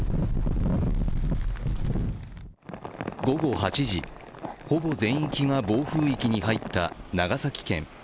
午後８時、ほぼ全域が暴風域に入った長崎県。